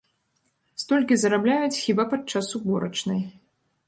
Столькі зарабляюць хіба падчас уборачнай.